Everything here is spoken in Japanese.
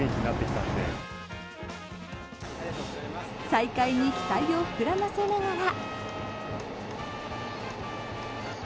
再開に期待を膨らませながら。